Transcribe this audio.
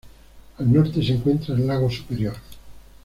Al norte se encuentra el lago Superior.